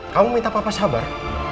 kamu minta papa sabar